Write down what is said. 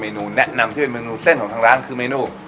นูแนะนำที่เป็นเมนูเส้นของทางร้านคือเมนู